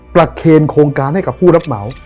ประเคนโครงการให้กับผู้รับเหมา